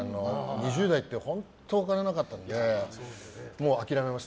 ２０代って本当、お金がなかったので諦めました。